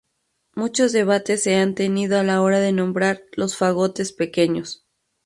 Muchos debates se han tenido a la hora de nombrar los fagotes pequeños.